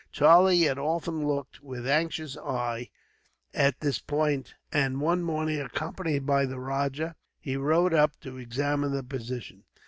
Charlie had often looked, with an anxious eye, at this point; and one morning, accompanied by the rajah, he rode up to examine the position.